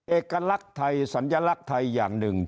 เอกลักษณ์ไทยสัญลักษณ์ไทยอย่างหนึ่ง